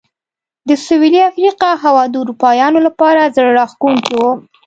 د سوېلي افریقا هوا د اروپایانو لپاره زړه راښکونکې وه.